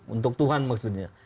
untuk tuhan maksudnya